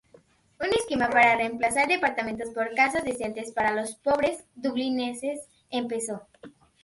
Un esquema para reemplazar departamentos por casas decentes para los pobres Dublineses empezó.